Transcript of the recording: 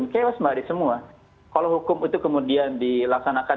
kalau hukum itu kemudian dilaksanakan